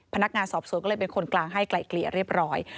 พนักงานสอบสวนก็เลยเป็นคนกลางให้ไกลเกลี่ยเรียบร้อย